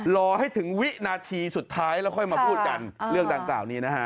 รอให้ถึงวินาทีสุดท้ายแล้วค่อยมาพูดกันเรื่องดังกล่าวนี้นะฮะ